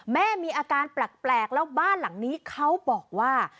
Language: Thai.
แม่มีอาการแปลกแล้วบ้านหลังนี้เขาบอกว่า